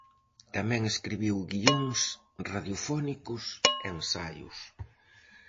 Tamén escribiu guións radiofónicos e ensaios.